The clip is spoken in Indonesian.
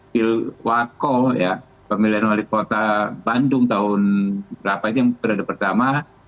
di wako pemilihan wali kota bandung tahun berapa ini yang pertama